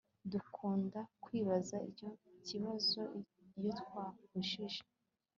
dukunda kwibaza icyo kibazo iyo twapfushije